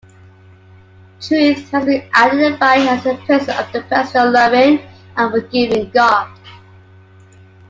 "Truth" has been identified as the presence of a personal, loving, and forgiving God.